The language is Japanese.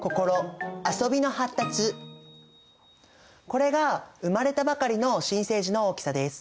これが生まれたばかりの新生児の大きさです。